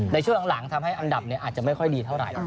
ในช่วงหลังทำให้อันดับอาจจะไม่ค่อยดีเท่าไหร่